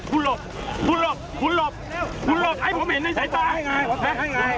คุณหลบคุณหลบคุณหลบคุณหลบให้ผมเห็นในสายตาให้ไง